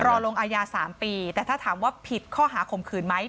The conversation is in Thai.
รอลงอายา๓ปีแต่ถ้าถามว่าผิดข้อหาข่มขืนไหม